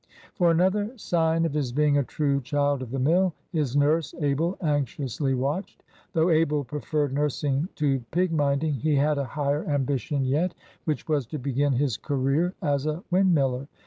For another sign of his being a true child of the mill, his nurse Abel anxiously watched. Though Abel preferred nursing to pig minding, he had a higher ambition yet, which was to begin his career as a windmiller.